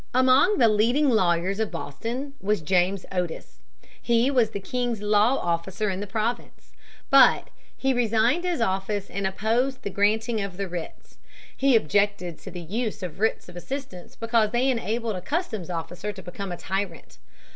Among the leading lawyers of Boston was James Otis. He was the king's law officer in the province. But he resigned his office and opposed the granting of the writs. He objected to the use of writs of assistance because they enabled a customs officer to become a tyrant.